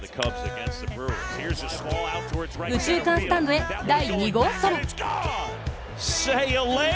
右中間スタンドへ第２号ソロ。